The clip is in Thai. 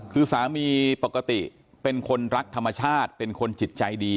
คือสามีปกติเป็นคนรักธรรมชาติเป็นคนจิตใจดี